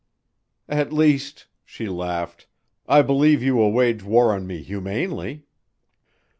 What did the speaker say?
"At least," she laughed, "I believe you will wage war on me humanely."